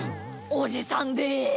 おじさんです！